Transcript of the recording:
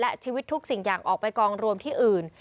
และชีวิตทุกสิ่งอย่างออกไปกองรวมที่อื่น